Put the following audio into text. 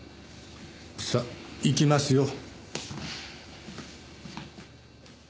さあ行きますよ。